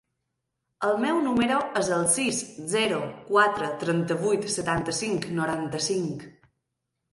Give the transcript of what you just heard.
El meu número es el sis, zero, quatre, trenta-vuit, setanta-cinc, noranta-cinc.